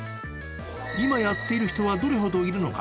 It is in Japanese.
今やっている人はどれほどいるのか。